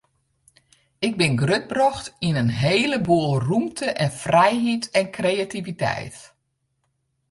Ik bin grutbrocht yn in hele boel rûmte en frijheid en kreativiteit.